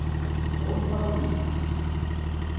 Tɣunfaḍ-iyi?